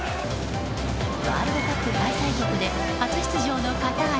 ワールドカップ開催国で初出場のカタール。